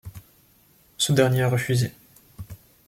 Ce dernier a refusé.